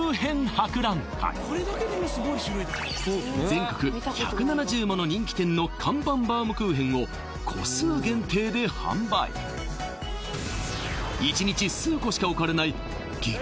全国１７０もの人気店の看板バウムクーヘンを個数限定で販売１日数個しか置かれない激